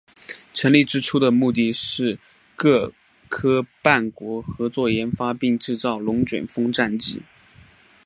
成立之初的目的是各夥伴国合作研发并制造龙卷风战机。